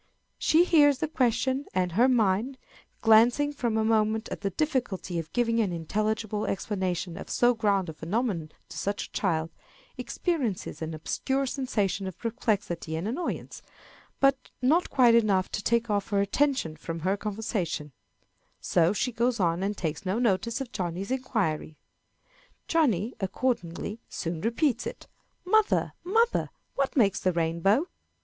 She hears the question, and her mind, glancing for a moment at the difficulty of giving an intelligible explanation of so grand a phenomenon to such a child, experiences an obscure sensation of perplexity and annoyance, but not quite enough to take off her attention from her conversation; so she goes on and takes no notice of Johnny's inquiry. Johnny, accordingly, soon repeats it, "Mother! mother! what makes the rainbow?"